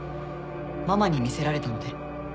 ママに見せられたので。